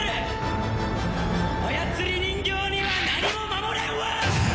操り人形には何も守れんわ！